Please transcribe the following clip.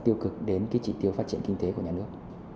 tiêu cực đến cái trị tiêu phát triển kinh tế của nhà nước